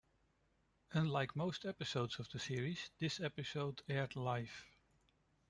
Unlike most episodes of the series, this episode aired live.